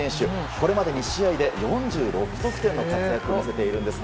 これまで２試合で４６得点の活躍を見せています。